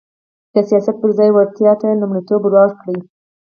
د سیاست پر ځای به وړتیا ته لومړیتوب ورکړي